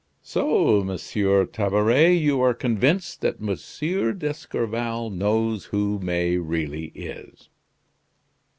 "So, Monsieur Tabaret, you are convinced that M. d'Escorval knows who May really is."